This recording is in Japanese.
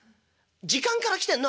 時間から来てんの？